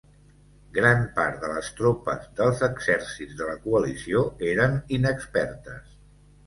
Gran part de les tropes dels exèrcits de la Coalició eren inexpertes.